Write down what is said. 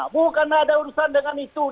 bukan ada urusan dengan itu